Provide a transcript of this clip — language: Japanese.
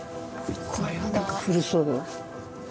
これは何か古そうよ。